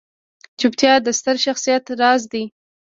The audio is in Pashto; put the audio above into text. چوپتیا، د ستر شخصیت راز دی.